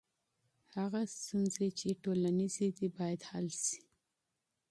هغه ستونزي چي ټولنیزي دي باید حل سي.